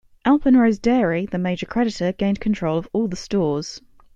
Alpenrose Dairy, the major creditor, gained control of all the stores.